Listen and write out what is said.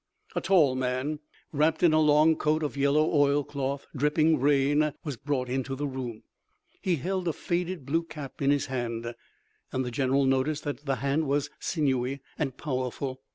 A tall man, wrapped in a long coat of yellow oilcloth, dripping rain, was brought into the room. He held a faded blue cap in his hand, and the general noticed that the hand was sinewy and powerful.